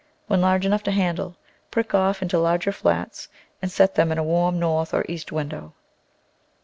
When large enough to handle, prick off into larger flats and set them in a warm north or east window.